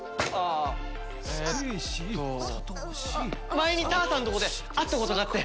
前にターさんのとこで会ったことがあって。